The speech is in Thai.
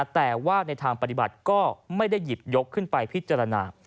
แต่ว่าในทางปฏิบัติก็ไม่ได้หยิบยกขึ้นไปพิจารณา